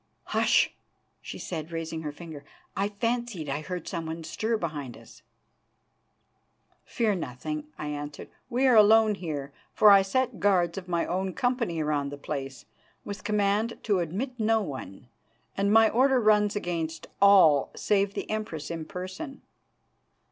"Hush!" she said, raising her finger. "I fancied I heard someone stir behind us." "Fear nothing," I answered. "We are alone here, for I set guards of my own company around the place, with command to admit no one, and my order runs against all save the Empress in person."